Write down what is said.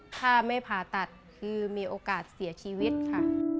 ถ้าไม่ผ่าตัดคือมีโอกาสเสียชีวิตค่ะ